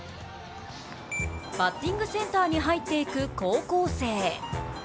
バッティングセンターに入っていく高校生。